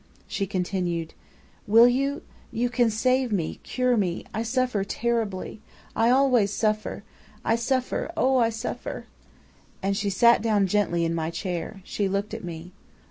"She continued: "'Will you? You can save me, cure me. I suffer terribly. I always suffer. I suffer, oh, I suffer!' "And she sat down gently in my chair. She looked at me.